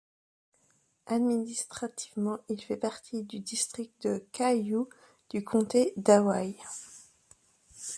Administrativement, il fait partie du district de Kaʻū du comté d'Hawaï.